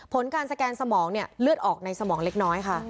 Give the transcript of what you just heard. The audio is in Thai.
ผลการสแกนสมองเนี่ยเลือดออกในสมองเล็กน้อยค่ะ